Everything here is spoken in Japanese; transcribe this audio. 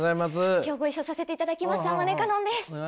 今日ご一緒させていただきます天希かのんです！